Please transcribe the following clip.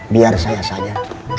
biar saya saja